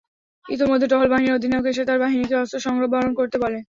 ইতোমধ্যে টহল বাহিনীর অধিনায়ক এসে তার বাহিনীকে অস্ত্র সংবরণ করতে বলে।